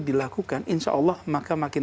dilakukan insya allah maka makin